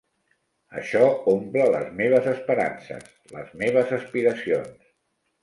Això omple les meves esperances, les meves aspiracions.